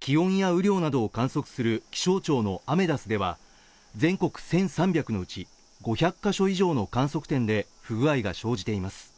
気温や雨量などを観測する気象庁のアメダスでは、全国１３００のうち５００カ所以上の観測点で不具合が生じています。